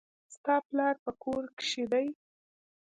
ستا پلار په کور کښي دئ.